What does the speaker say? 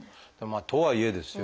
とはいえですよ